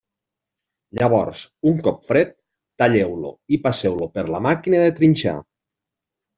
Llavors, un cop fred, talleu-lo i passeu-lo per la màquina de trinxar.